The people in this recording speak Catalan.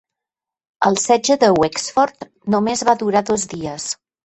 El setge de Wexford només va durar dos dies.